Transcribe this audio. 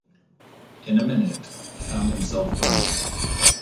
In a minute he found himself running.